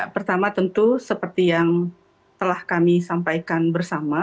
pertama tentu seperti yang telah kami sampaikan bersama